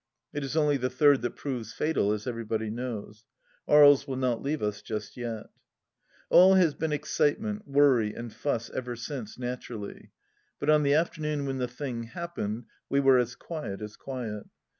It is only the third that proves fatal, as everybody knows. Aries will not leave us just yet. AH has been excitement, worry, and fuss ever since, natur ally. But on the afternoon when the thing happened, we were as quiet as quiet.